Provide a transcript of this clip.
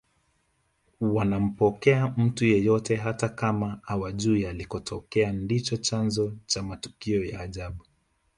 wanampokea mtu yeyote hata kama hawajui alikotokea ndicho chanzo cha matukio ya ajabu